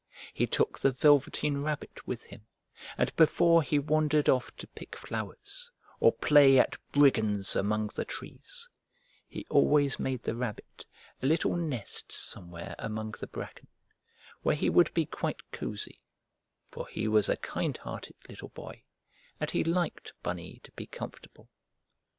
He took the Velveteen Rabbit with him, and before he wandered off to pick flowers, or play at brigands among the trees, he always made the Rabbit a little nest somewhere among the bracken, where he would be quite cosy, for he was a kind hearted little boy and he liked Bunny to be comfortable.